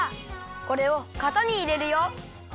これをかたにいれるよ！